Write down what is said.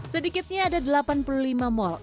sedikitnya ada delapan puluh lima mal